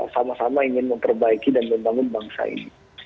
sama sama ingin memperbaiki dan membangun bangsa ini